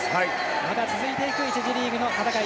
まだ続いていく１次リーグの戦い。